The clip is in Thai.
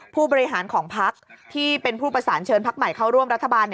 ผู้บริหารของพักที่เป็นผู้ประสานเชิญพักใหม่เข้าร่วมรัฐบาล